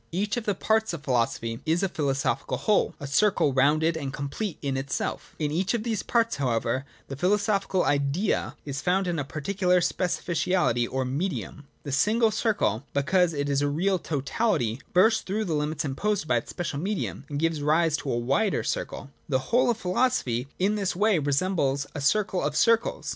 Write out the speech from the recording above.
J Each of the parts of philosophy is a philoso phical whole, a circle rounded and complete in itself In each of these parts, however, the philosophical Idea is found in a particular specificality or medium. The single circle, because it is a real totality, bursts through the limits imposed by its special medium, and gives rise to a wider circle. The whole of philosophy in this way resembles a circle of circles.